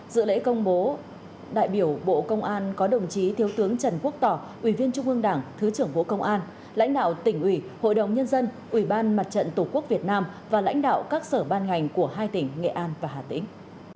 dự lễ công bố đại biểu bộ công an có đồng chí thiếu tướng trần quốc tỏ ủy viên trung ương đảng thứ trưởng bộ công an lãnh đạo tỉnh ủy hội đồng nhân dân ủy ban mặt trận tổ quốc việt nam và lãnh đạo các sở ban ngành của hai tỉnh nghệ an và hà tĩnh